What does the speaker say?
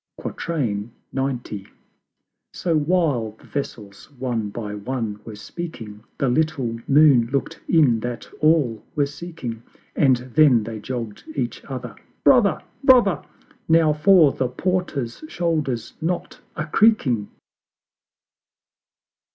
XC. So while the Vessels one by one were speaking, The little Moon look'd in that all were seeking: And then they jogg'd each other, "Brother! Brother! Now for the Porter's shoulders' knot a creaking!"